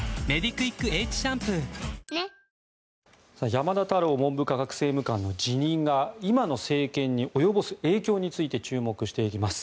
山田太郎文部科学政務官の辞任が今の政権に及ぼす影響について注目していきます。